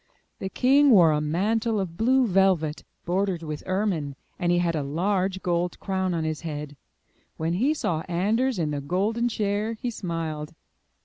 The king wore a mantle of blue velvet, bordered with ermine, and he had a large gold crown on his head. When he saw Anders in the golden chair, he smiled.